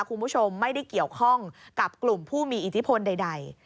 คุณผู้ชมไม่ได้เกี่ยวข้องกับกลุ่มผู้มีอิทธิพลใด